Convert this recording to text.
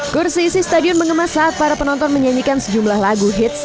kursi isi stadion mengemas saat para penonton menyanyikan sejumlah lagu hits